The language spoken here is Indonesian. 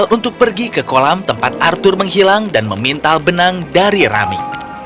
dan menginstrusikan abigail untuk pergi ke kolam tempat arthur menghilang dan memintal benang dari rami